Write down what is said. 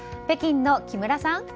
北京の木村さん。